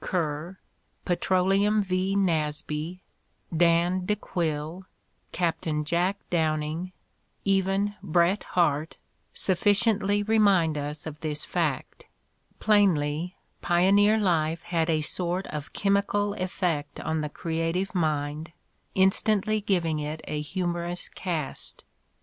Ker, Petroleum V. Nasby, Dan de Quille, Captain Jack Downing, even Bret Harte, sufficiently remind us of this fact. Plainly, pioneer life had a sort of chemical effect on the creative mind, instantly giving it a humor ous cast.